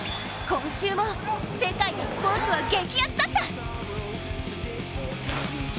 今週も、世界のスポーツは激アツだった！